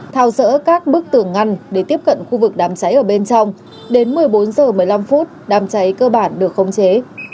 thao sỡ các bức tường ngăn để tiếp cận khu vực đàm cháy ở bên trong đến một mươi bốn h một mươi năm phút đàm cháy cơ bản được không chế